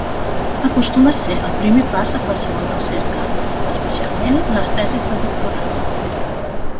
Acostuma a ser el primer pas de qualsevol recerca, especialment les tesis del doctorat.